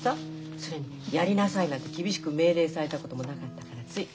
それに「やりなさい」なんて厳しく命令されたこともなかったからつい。